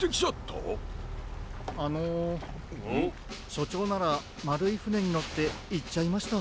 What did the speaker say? しょちょうならまるいふねにのっていっちゃいました。